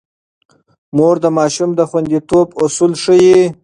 مور د ماشوم د خونديتوب اصول ښيي.